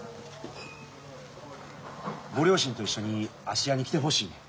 ご両親と一緒に芦屋に来てほしいねん。